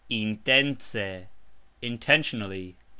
intence : intentionally.